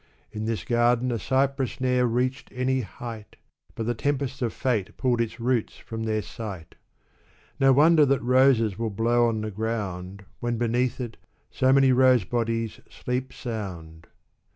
In this garden, a cypress ne'er reached any height. But the tempests of fate pulled its roots fix)m their site. No wonder that roses will blow on the ground, When, beneath it, so many rose bodies sleep sound